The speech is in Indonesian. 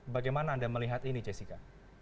bagaimana anda melihat ini jessica